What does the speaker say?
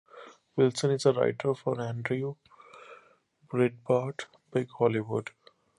Wilson is a writer for Andrew Breitbart's "Big Hollywood".